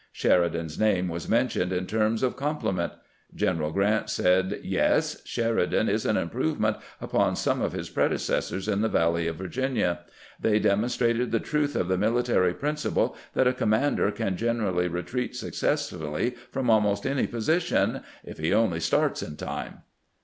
Sheridan's name was mentioned in terms of compliment. General Grant said: "Yes; Sheridan is an improvement upon some of his predecessors in the vaUey of Virginia. They demonstrated the truth of the military principle that a commander can generally re treat successfully from ahnost any position — if he only starts in time."